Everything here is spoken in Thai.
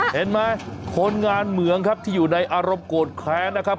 เห็นไหมคนงานเหมืองครับที่อยู่ในอารมณ์โกรธแค้นนะครับ